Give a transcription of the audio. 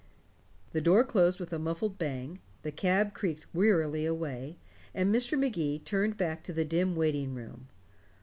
The door closed with a muffled bang, the cab creaked wearily away, and Mr. Magee turned back to the dim waiting room.